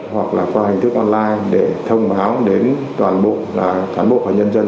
hoặc là qua hình thức online để thông báo đến toàn bộ cán bộ và nhân dân